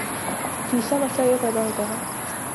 تیسرامسئلہ یہ پیدا ہوتا ہے